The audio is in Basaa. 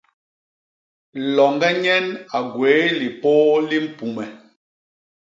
Loñge nyen a gwéé lipôô li mpume.